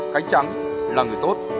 khánh trắng là người tốt